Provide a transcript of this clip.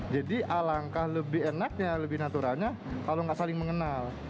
jadi alangkah lebih enaknya lebih naturalnya kalau nggak saling mengenal